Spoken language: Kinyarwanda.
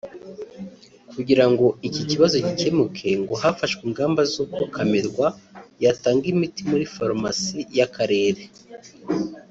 Kugira ngo iki kibazo gikemuke ngo hafashwe ingamba z’uko camerwa yatanga imiti muri farumasi y’akarere